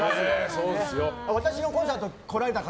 私のコンサート来られた方